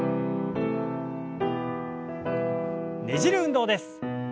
ねじる運動です。